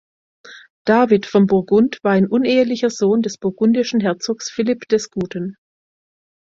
David von Burgund war ein unehelicher Sohn des burgundischen Herzogs Philipp des Guten.